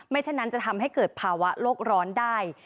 ฉะนั้นจะทำให้เกิดภาวะโลกร้อนได้